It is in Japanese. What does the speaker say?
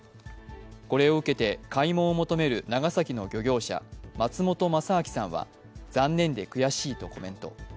これを受けて、開門を求める長崎の漁業者、松本正明さんは残念で悔しいとコメント。